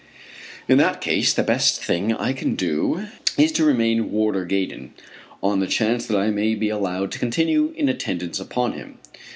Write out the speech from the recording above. In that case the best thing I can do is to remain Warder Gaydon, on the chance that I may be allowed to continue in attendance upon him.